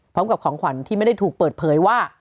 พร้อมกับของขวัญที่ไม่ได้ถูกเปิดเผยว่า